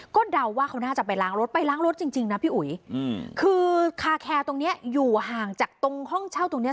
ก็เดาว่าเขาน่าจะไปล้างรถไปล้างรถจริงจริงนะพี่อุ๋ยคือคาแคร์ตรงเนี้ยอยู่ห่างจากตรงห้องเช่าตรงเนี้ย